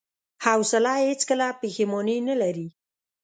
حوصله هیڅکله پښېماني نه لري.